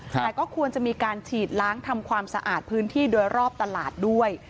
แต่ก็ควรจะมีการฉีดล้างทำความสะอาดพื้นที่โดยรอบตลาดด้วย